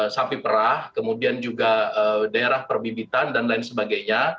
sapi perah kemudian juga daerah perbibitan dan lain sebagainya